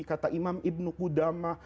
kata imam ibnu qudama